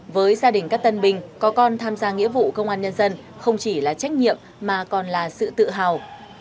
với gia đình các tân bình có con tham gia nghĩa vụ công an nhân dân không chỉ là trách nhiệm mà còn là sự tự hào